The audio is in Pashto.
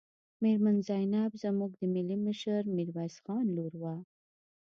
میرمن زینب زموږ د ملي مشر میرویس خان لور وه.